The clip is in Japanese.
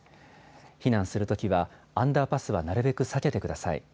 避難するときはアンダーパスはなるべく避けてください。